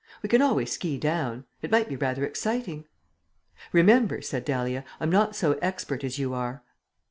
We can always ski down. It might be rather exciting." "Remember," said Dahlia, "I'm not so expert as you are."